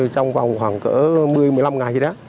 trong khoảng một mươi một mươi năm ngày thì đó